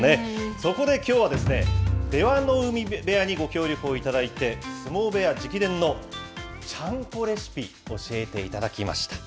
そこできょうは出羽海部屋にご協力をいただいて、相撲部屋直伝のちゃんこレシピ、教えていただきました。